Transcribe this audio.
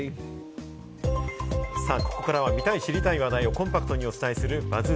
ここからは見たい、知りたい話題をコンパクトにお伝えするＢＵＺＺ